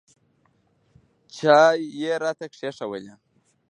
چای یې راته کښېښوولې.